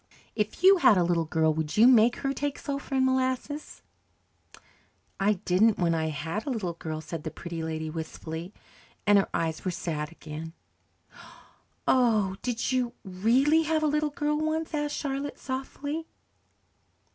If you had a little girl, would you make her take sulphur and molasses?" "I didn't when I had a little girl," said the Pretty Lady wistfully, and her eyes were sad again. "Oh, did you really have a little girl once?" asked Charlotte softly.